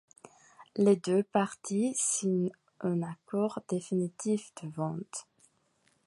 Les deux parties signent un accord définitif de vente.